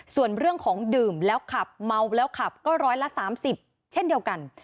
ส่วนเรื่องของดื่มแล้วขับเมาแล้วขับก็ร้อยละ๓๐เช่นเดียวกัน